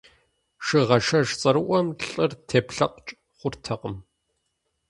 Шыгъажэш цӀэрыӀуэм лӀыр теплъэкъукӀ хъуртэкъым.